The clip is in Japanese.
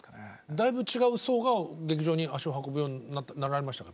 だいぶ違う層が劇場に足を運ぶようになられましたか？